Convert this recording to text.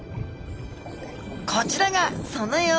こちらがその様子。